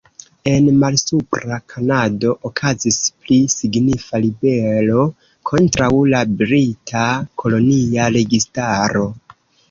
En Malsupra Kanado okazis pli signifa ribelo kontraŭ la brita kolonia registaro.